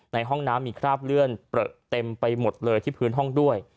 ในห้องน้ำมีคราบเลือดเปลือเต็มไปหมดเลยที่พื้นห้องด้วย